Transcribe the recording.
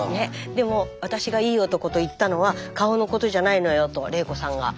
でも私がいい男と言ったのは顔のことじゃないのよと玲子さんが。